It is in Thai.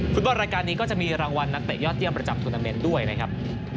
ฟุตบอลรายการนี้ก็จะมีรางวัลนักเตะยอดเยี่ยมประจำทูนาเมนต์ด้วยนะครับ